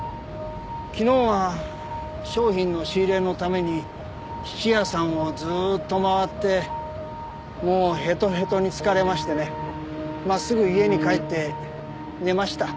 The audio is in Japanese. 昨日は商品の仕入れのために質屋さんをずっと回ってもうヘトヘトに疲れましてね真っすぐ家に帰って寝ました。